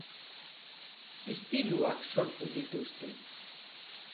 Istiluak sortu dituzte.